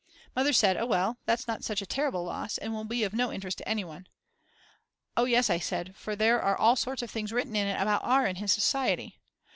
Mother said: Oh well, that's not such a terrible loss, and will be of no interest to anyone. Oh yes, I said, for there are all sorts of things written in it about R. and his society.